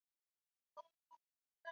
miaka milioni kumi na moja iliyopita maji